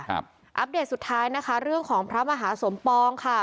อัปเดตสุดท้ายนะคะเรื่องของพระมหาสมปองค่ะ